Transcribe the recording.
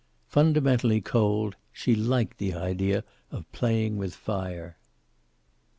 Fundamentally cold, she liked the idea of playing with fire.